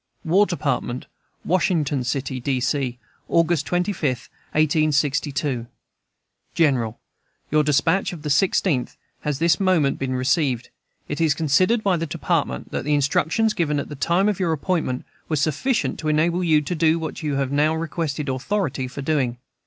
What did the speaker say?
] WAR DEPARTMENT, WASHINGTON CITY, D. C., August 25, 1862. GENERAL, Your despatch of the 16th has this moment been received. It is considered by the Department that the instructions given at the time of your appointment were sufficient to enable you to do what you have now requested authority for doing.